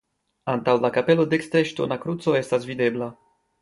Antaŭ la kapelo dekstre ŝtona kruco estas videbla.